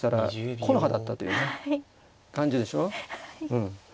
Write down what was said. うん。